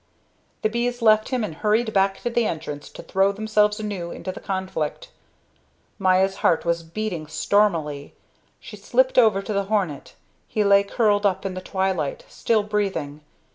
The bees left him and hurried back to the entrance to throw themselves anew into the conflict. Maya's heart was beating stormily. She slipped over to the hornet. He lay curled up in the twilight, still breathing.